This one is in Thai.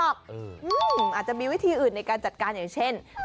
อาจจะมีอีกวิธีในการจัดการอย่างเช่น